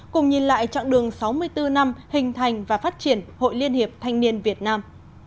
cùng nhìn lại chặng đường sáu mươi bốn năm hình thành và phát triển hội liên hiệp thanh niên việt nam